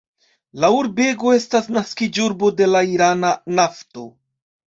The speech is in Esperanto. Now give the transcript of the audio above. La urbego estas naskiĝurbo de la irana nafto.